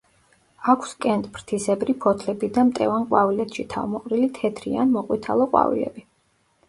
აქვს კენტფრთისებრი ფოთლები და მტევან ყვავილედში თავმოყრილი თეთრი ან მოყვითალო ყვავილები.